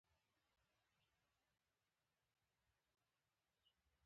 پریږدئ چې وچ شي په پښتو ژبه.